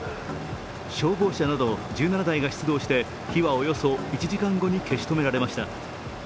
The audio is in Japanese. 消防車など１７台が出動して火はおよそ１時間後に消し止められました。